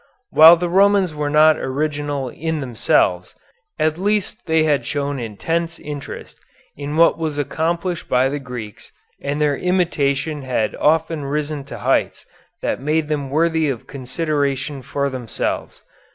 While the Romans were not original in themselves, at least they had shown intense interest in what was accomplished by the Greeks and their imitation had often risen to heights that made them worthy of consideration for themselves.